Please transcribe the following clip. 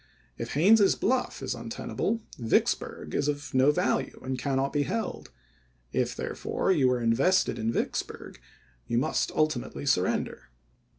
"If Haines's Bluff is unten able, Vicksburg is of no value and cannot be held ; if, therefore, you are invested in Vicksburg, you must ultimately surrender.